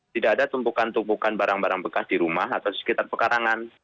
tidak ada tumpukan tumpukan barang barang bekas di rumah atau sekitar pekarangan